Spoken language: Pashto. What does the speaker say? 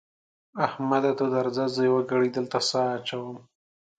احمده ته درځه؛ زه يوه ګړۍ دلته سا اچوم.